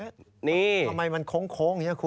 ทำไมมันโค้งเฮียคุณ